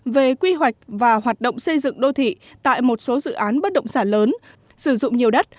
về quy hoạch và hoạt động xây dựng đô thị tại một số dự án bất động sản lớn sử dụng nhiều đất